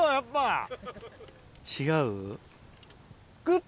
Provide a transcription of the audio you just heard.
違う？